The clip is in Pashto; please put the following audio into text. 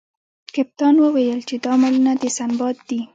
کپتان وویل چې دا مالونه د سنباد دي.